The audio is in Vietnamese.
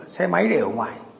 xe máy để ở ngoài